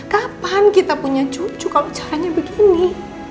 kapan kita punya cucu kalau caranya begini